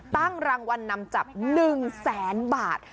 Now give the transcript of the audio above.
ตั้งรางวัลนำจับ๑แสนบาท